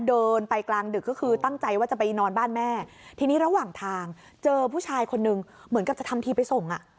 เดินไปกลางดึกก็คือตั้งใจว่าจะไปนอนบ้านแม่ทีนี้ระหว่างทางเจอผู้ชายคนนึงเหมือนกับจะทำทีไปส่งอ่ะ